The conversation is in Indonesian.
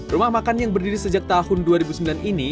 rumah makan yang berdiri sejak tahun dua ribu sembilan ini